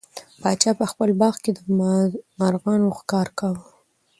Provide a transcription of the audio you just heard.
پاچا په خپل باغ کې د مرغانو ښکار کاوه.